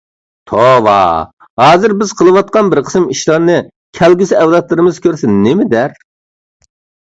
توۋا، ھازىر بىز قىلىۋاتقان بىر قىسىم ئىشلارنى كەلگۈسى ئەۋلادلىرىمىز كۆرسە نېمە دەر؟